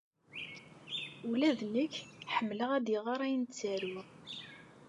Ula d nekk ḥemmleɣ ad iɣer ayen ttaruɣ.